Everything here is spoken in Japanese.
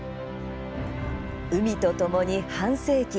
海とともに半世紀。